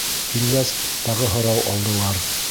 Килгәс, тағы һорау алдылар.